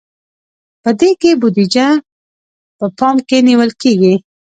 په دې کې بودیجه په پام کې نیول کیږي.